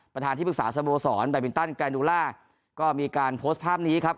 ประธานที่ปรึกษาสโบสรแบบินตันกายนูล่าก็มีการโพสต์ภาพนี้ครับ